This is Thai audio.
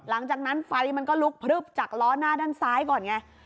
หลังจากนั้นไฟมันก็ลุกพลึบจากล้อหน้าด้านซ้ายก่อนไง